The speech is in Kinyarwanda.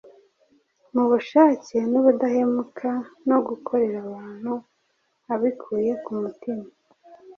mu bushake n’ubudahemuka no gukorera abantu abikuye ku mutima.